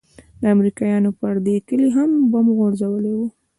امريکايانو پر دې كلي هم بم غورځولي وو.